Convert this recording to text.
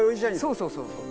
そうそうそうそう。